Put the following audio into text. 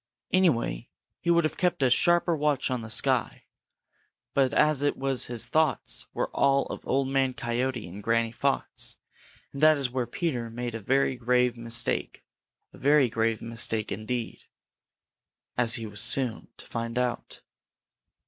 Anyway, he would have kept a sharper watch on the sky. But as it was his thoughts were all of Old Man Coyote and Granny Fox, and that is where Peter made a very grave mistake, a very grave mistake indeed, as he was soon to find out.